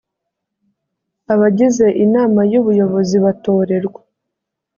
abagize inama y ubuyobozi batorerwa